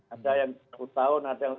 ada yang sepuluh tahun